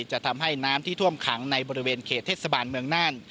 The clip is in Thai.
จะทำให้น้ำที่ท่วมขังในบริเวณเขตเทศบาลเมืองน่าน